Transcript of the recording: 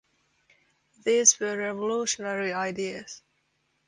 These were revolutionary ideas.